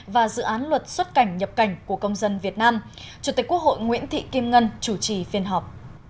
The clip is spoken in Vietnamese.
và dự án luật xuất cảnh nhập cảnh của công dân việt nam chủ tịch quốc hội nguyễn thị kim ngân chủ trì phiên họp